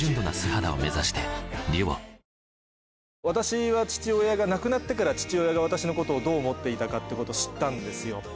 私は父親が亡くなってから父親が私のことをどう思っていたかってことを知ったんですよ。